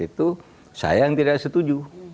itu saya yang tidak setuju